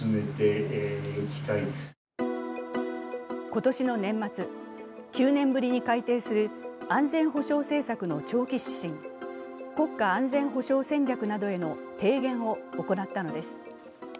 今年の年末、９年ぶりに改定する安全保障政策の長期指針、国家安全保障戦略などへの提言を行ったのです。